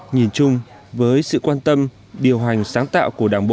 nhìn chung với sự quan tâm điều hành sáng tạo của các doanh nghiệp